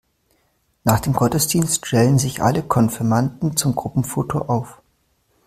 Nach dem Gottesdienst stellen sich alle Konfirmanden zum Gruppenfoto auf.